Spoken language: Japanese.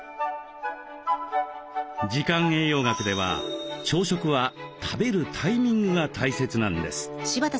時間栄養学では朝食は食べるタイミングが大切なんです。